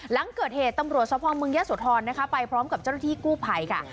หลังเกิดเหตุตำรวจสภอมเมืองยะโสธรนะคะไปพร้อมกับเจ้าหน้าที่กู้ภัยค่ะ